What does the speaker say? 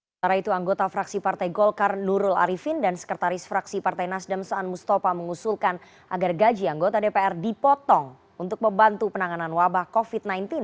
setelah itu anggota fraksi partai golkar nurul arifin dan sekretaris fraksi partai nasdem saan mustafa mengusulkan agar gaji anggota dpr dipotong untuk membantu penanganan wabah covid sembilan belas